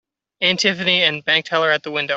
Aunt Tiffany and bank teller at the window.